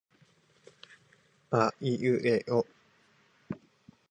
aiueo